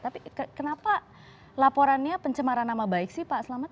tapi kenapa laporannya pencemaran nama baik sih pak selamat